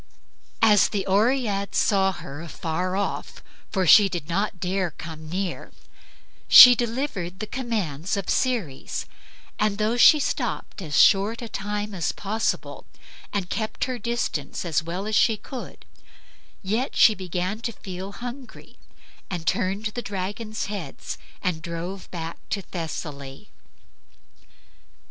As the Oread saw her afar off (for she did not dare to come near), she delivered the commands of Ceres; and, though she stopped as short a time as possible, and kept her distance as well as she could, yet she began to feel hungry, and turned the dragons' heads and drove back to Thessaly.